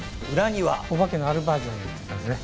お化けのあるバージョンを売ってたんですね。